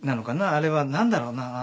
あれは何だろうな。